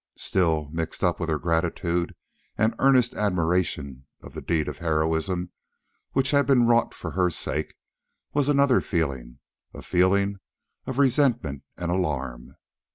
Still, mixed up with her gratitude and earnest admiration of the deed of heroism which had been wrought for her sake, was another feeling, a feeling of resentment and alarm.